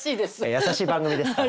優しい番組ですから。